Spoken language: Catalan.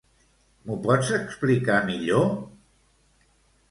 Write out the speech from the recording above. M'ho pots explicar millor?